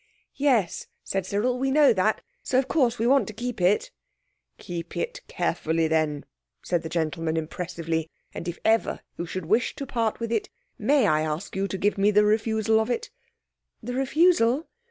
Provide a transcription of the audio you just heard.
"Yes," said Cyril, "we know that, so of course we want to keep it." "Keep it carefully, then," said the gentleman impressively; "and if ever you should wish to part with it, may I ask you to give me the refusal of it?" "The refusal?"